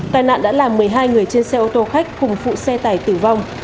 tài nạn đã làm một mươi hai người trên xe ô tô khách cùng phụ xe tải tử vong